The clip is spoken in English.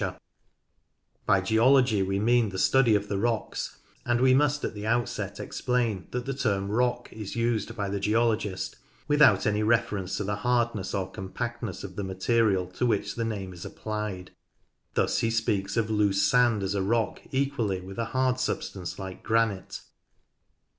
M. N. L. 18 NORTH LANCASHIRE By Geology we mean the study of the rocks, and we must at the outset explain that the term rock is used by the geologist without any reference to the hardness or compactness of the material to which the name is applied ; thus he speaks of loose sand as a rock equally with a hard substance like granite.